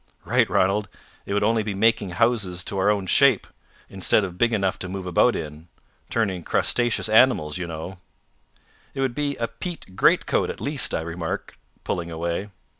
"Right, Ranald! It would be only making houses to our own shape, instead of big enough to move about in turning crustaceous animals, you know." "It would be a peat greatcoat at least," I remarked, pulling away.